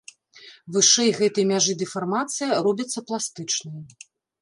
Вышэй гэтай мяжы дэфармацыя робіцца пластычнай.